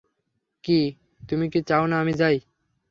কি, তুমি চাও না আমি যাই?